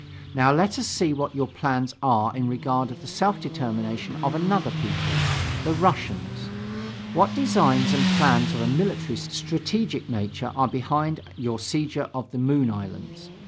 Now let us see what your plans are in regard to the self determination of another people the Russians; what designs and plans of a military strategic nature are behind your seizure of the Moon Islands.